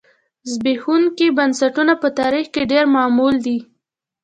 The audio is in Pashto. زبېښونکي بنسټونه په تاریخ کې ډېر معمول دي